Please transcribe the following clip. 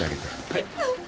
はい。